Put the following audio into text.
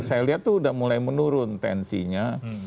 saya lihat itu sudah mulai menurun tensinya